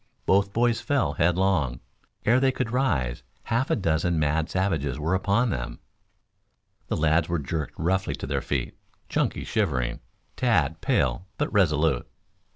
Both boys fell headlong. Ere they could rise half a dozen mad savages were upon them. The lads were jerked roughly to their feet, Chunky shivering, Tad pale but resolute.